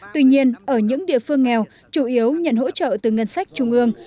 tuy nhiên ở những địa phương nghèo chủ yếu nhận hỗ trợ từ ngân sách trung ương